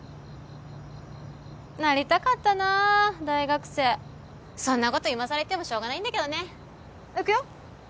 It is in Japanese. なりたかったな大学生そんなこと今さら言ってもしょうがないんだけどねいくよ